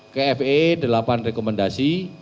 ke faa delapan rekomendasi